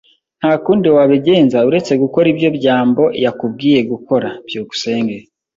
Nta kundi wabigenza uretse gukora ibyo byambo yakubwiye gukora. byukusenge